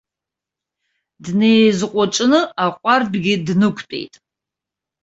Деизҟәыҿны аҟәардәгьы днықәтәеит.